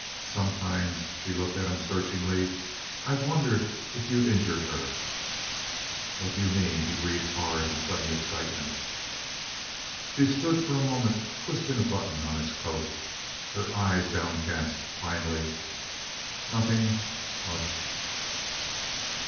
Sometimes," she looked at him searchingly, "I've wondered if you've injured her." "What do you mean?" He breathed hard, in sudden excitement. She stood for a moment twisting a button on his coat her eyes downcast. Finally: "Nothing much."